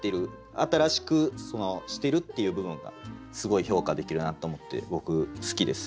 新しくしてるっていう部分がすごい評価できるなと思って僕好きです。